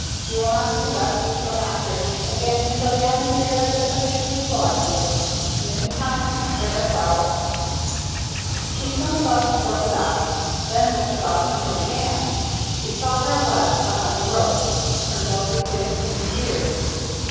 You will not see us, your masters, again until the atmosphere has been sufficiently chlorinated. In the meantime, serve us well." He stumbled out toward the docks, then looked about for Mary Ann. He saw her at last behind the ropes, her lovely face in tears.